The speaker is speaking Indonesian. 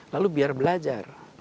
lalu biar belajar